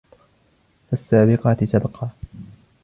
فالسابقات سبقا